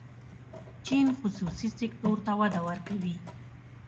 چین خصوصي سکتور ته وده ورکوي.